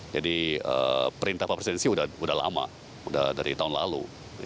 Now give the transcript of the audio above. jadi perintah pak presiden sudah lama sudah dari tahun lalu